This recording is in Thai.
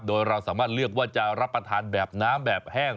โดยเราสามารถเลือกว่าจะรับประทานแบบน้ำแบบแห้ง